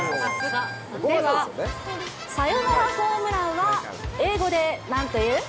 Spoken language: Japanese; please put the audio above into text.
では、サヨナラホームランは英語でなんという？